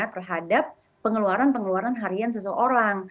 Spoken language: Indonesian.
terhadap pengeluaran pengeluaran harian seseorang